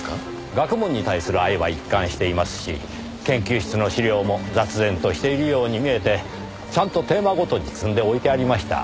学問に対する愛は一貫していますし研究室の資料も雑然としているように見えてちゃんとテーマごとに積んで置いてありました。